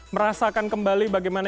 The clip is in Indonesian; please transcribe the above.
merasakan kembali bagaimana